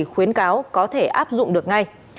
khuyến cáo có thể áp dụng được ngay